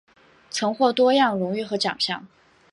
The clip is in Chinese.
曾获多样荣誉和奖项。